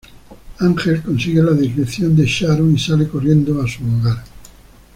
Ángel consigue la dirección de Sharon y sale corriendo a su hogar.